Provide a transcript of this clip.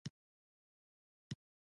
_څه مرسته؟